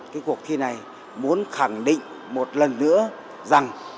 cái cuộc thi này muốn khẳng định một lần nữa rằng